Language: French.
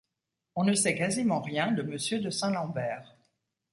On ne sait quasiment rien de Monsieur de Saint-Lambert.